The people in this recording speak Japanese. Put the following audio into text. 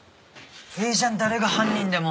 いいじゃん誰が犯人でも。